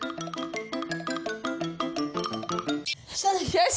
よし！